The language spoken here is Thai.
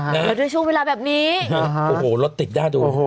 นะฮะแล้วได้ช่วงเวลาแบบนี้อ๋อหัวหัวรถติดได้ดูโอ้โห